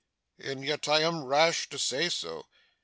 And yet I am rash to say so.